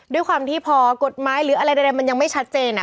ด้วยความที่พอกฎหมายหรืออะไรใดมันยังไม่ชัดเจน